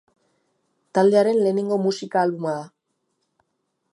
Taldearen lehenengo musika albuma da.